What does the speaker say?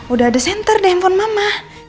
udah ada senter di handphone mama